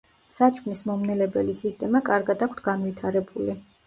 საჭმლის მომნელებელი სისტემა კარგად აქვთ განვითარებული.